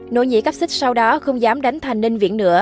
nội nhị cáp xích sau đó không dám đánh thành ninh viễn nữa